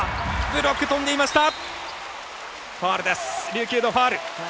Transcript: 琉球のファウル。